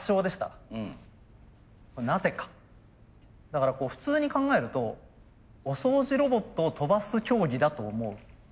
だからこう普通に考えるとお掃除ロボットを跳ばす競技だと思う。